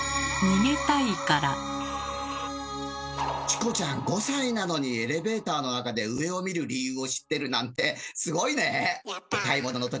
チコちゃん５歳なのにエレベーターの中で上を見る理由を知ってるなんてすごいね！